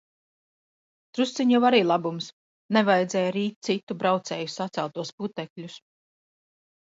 Drusciņ jau arī labums, nevajadzēja rīt citu braucēju saceltos putekļus.